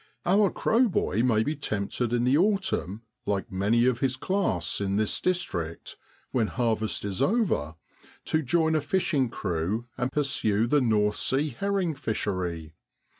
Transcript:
Our crow boy may be tempted in the autumn, like many of his class, in this district, when harvest is over, to join a fishing crew and pursue the North Sea herring fishery.